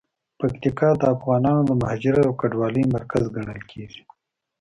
پکتیکا د افغانانو د مهاجرت او کډوالۍ مرکز ګڼل کیږي.